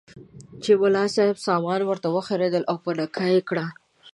چې ملا صاحب سامانونه ورته وخریېل او په نکاح یې کړه.